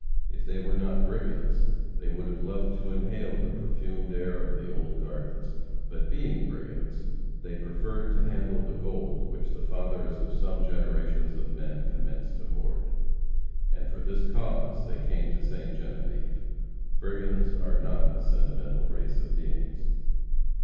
If they were not brigands, they would have loved to inhale the perfumed air of the old gardens. But being brigands, they preferred to handle the gold which the fathers of some generations of men commenced to hoard. And for this cause they came to Ste. Genevieve. Brigands are not a sentimental race of beings.